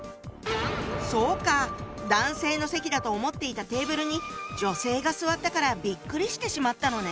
そうか男性の席だと思っていたテーブルに女性が座ったからビックリしてしまったのね。